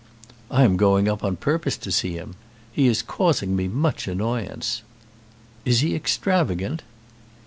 "I am going up on purpose to see him. He is causing me much annoyance." "Is he extravagant?"